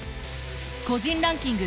個人ランキング